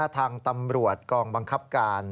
ทางตำรวจกองบังคับการ